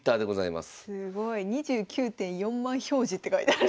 すごい「２９．４万表示」って書いてある。